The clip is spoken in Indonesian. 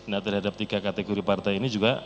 nah terhadap tiga kategori partai ini juga